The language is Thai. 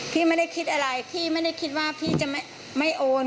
พี่ไม่ได้คิดอะไรพี่ไม่ได้คิดว่าพี่จะไม่โอน